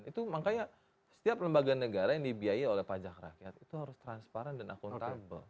itu makanya setiap lembaga negara yang dibiayai oleh pajak rakyat itu harus transparan dan akuntabel